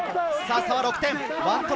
差は６点。